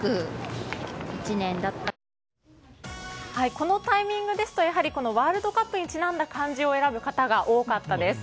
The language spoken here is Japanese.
このタイミングですとやはりワールドカップにちなんだ漢字を選ぶ方が多かったです。